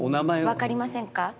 分かりませんか？